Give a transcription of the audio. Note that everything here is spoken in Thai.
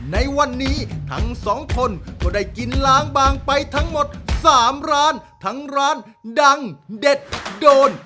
ในวันนี้ทั้งสองคนก็ได้กินล้างบางไปทั้งหมด๓ร้านทั้งร้านดังเด็ดโดน